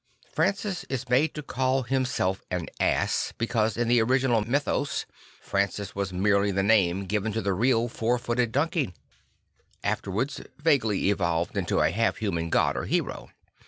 Francis is made to call himself an ass, because in the original mythos Francis was merely the name given to the real four footed donkey, afterwards vaguely evolved into a half human god or hero.